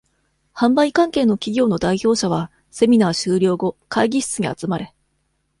販売関係の企業の代表者は、セミナー終了後、会議室に集まれ。